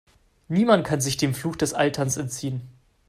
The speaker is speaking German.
Niemand kann sich dem Fluch des Alterns entziehen.